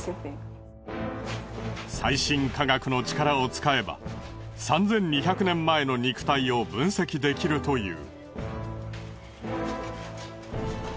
最新科学の力を使えば３２００年前の肉体を分析できるという。